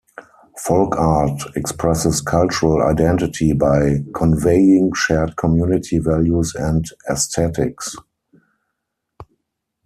Folk art expresses cultural identity by conveying shared community values and aesthetics.